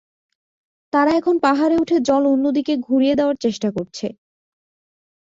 তারা এখন পাহাড়ে উঠে জল অন্য দিকে ঘুরিয়ে দেওয়ার চেষ্টা করছে।